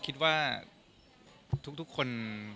คิดว่าทุกคน